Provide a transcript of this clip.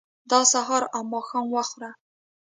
دا سهار او ماښام وخوره.